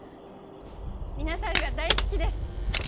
皆さんが大好きです！